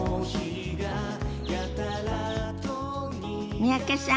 三宅さん